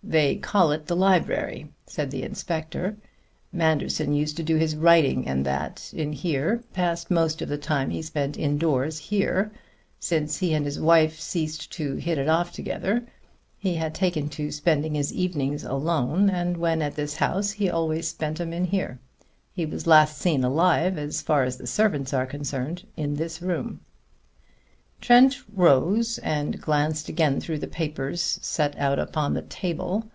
"They call it the library," said the inspector. "Manderson used to do his writing and that in here; passed most of the time he spent indoors here. Since he and his wife ceased to hit it off together, he had taken to spending his evenings alone, and when at this house he always spent 'em in here. He was last seen alive, as far as the servants are concerned, in this room." Trent rose and glanced again through the papers set out on the table.